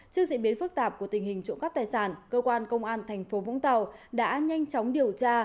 trước diễn biến phức tạp của tình hình trộm gắp tài sản cơ quan công an tp vũng tàu đã nhanh chóng điều tra